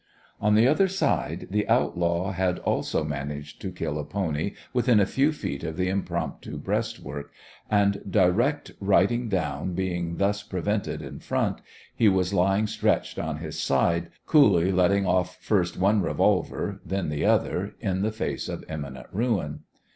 On the other side, the outlaw had also managed to kill a pony within a few feet of the impromptu breastwork, and, direct riding down being thus prevented in front, he was lying stretched on his side, coolly letting off first one revolver then the other in the face of imminent ruin.